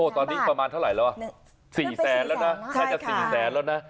ตอนนี้ประมาณเท่าไหร่แล้วสี่แสนแล้วนะ